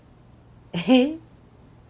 えっ。